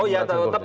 oh iya tetap